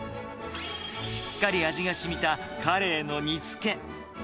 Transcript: しっかり味がしみたカレイの煮つけ。